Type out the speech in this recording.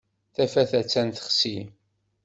Tafat attan texsi.